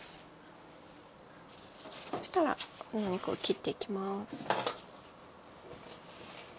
そしたらお肉を切っていきます。